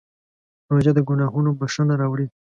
روژه د ګناهونو بښنه راوړي.